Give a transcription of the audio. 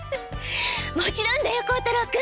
もちろんだよ孝太郎君！